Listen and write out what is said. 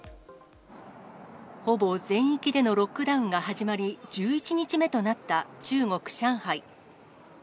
ほぼ全域でのロックダウンが始まり、１１日目となった中国・上海。